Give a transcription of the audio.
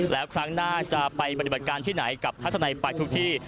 แล้วครั้งหน้าจะไปปฏิบัติการที่ไหนกับทัศนัยไปทุกที่